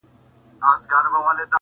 يوه برخه چوپه بله غوسه تل,